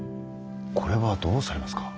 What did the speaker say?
これはどうされますか。